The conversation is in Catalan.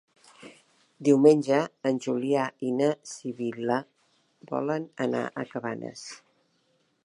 Diumenge en Julià i na Sibil·la volen anar a Cabanes.